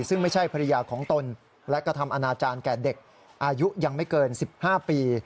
ซึ่งไม่ใช่ภรรยาของตนและกระทำอนาจารย์แก่เด็กอายุยังไม่เกิน๑๕ปี